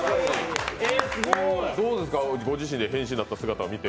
どうですかご自身で変身した姿を見て？